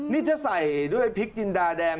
นี่ถ้าใส่ด้วยพริกจินดาแดง